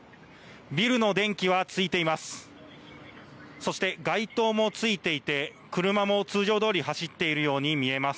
ビルの電気はついています。